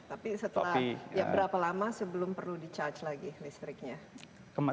tapi setelah ya berapa lama sebelum perlu di charge lagi listriknya